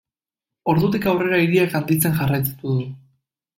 Ordutik aurrera hiriak handitzen jarraitu du.